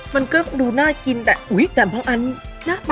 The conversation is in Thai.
มันก็ดูน่ากินแต่เหมือนผัก